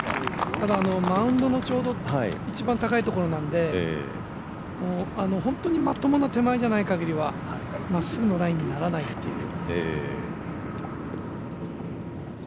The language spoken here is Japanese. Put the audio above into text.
マウンド一番高いところなので本当にまともな手前じゃないかぎりはまっすぐのラインにならないという。